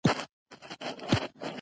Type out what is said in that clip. د مېلو یوه بله برخه د فکلوري نندارې يي.